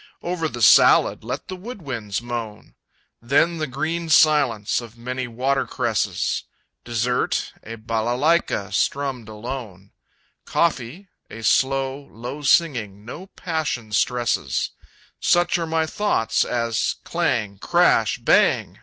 Over the salad let the woodwinds moan; Then the green silence of many watercresses; Dessert, a balalaika, strummed alone; Coffee, a slow, low singing no passion stresses; Such are my thoughts as clang! crash! bang!